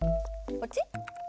こっち？